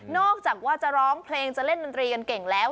อกจากว่าจะร้องเพลงจะเล่นดนตรีกันเก่งแล้ว